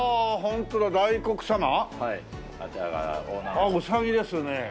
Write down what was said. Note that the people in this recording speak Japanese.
あっウサギですね。